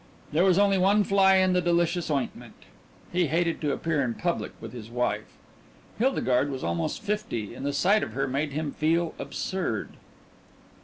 There was only one fly in the delicious ointment he hated to appear in public with his wife. Hildegarde was almost fifty, and the sight of her made him feel absurd....